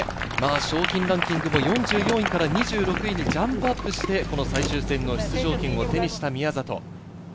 賞金ランキングも４４位から２６位にジャンプアップして、この最終戦の出場権を手にした宮里。